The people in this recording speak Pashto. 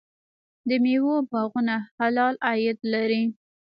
د میوو باغونه حلال عاید لري.